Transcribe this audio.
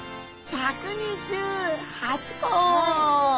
１２８個。